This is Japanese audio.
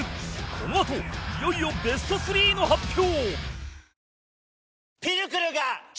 このあといよいよベスト３の発表